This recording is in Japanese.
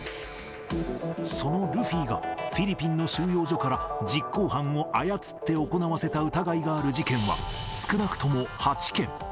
そのルフィが、フィリピンの収容所から実行犯を操って行わせた疑いがある事件は少なくとも８件。